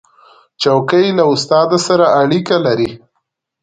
چوکۍ له استاد سره اړیکه لري.